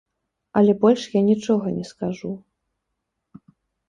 Але больш я нічога не скажу.